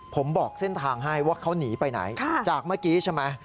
ผมบอกเส้นทางให้ว่าเขาหนีไปไหนจากเมื่อกี้ใช่ไหม